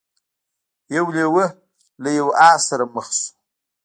یو لیوه له یو آس سره مخ شو.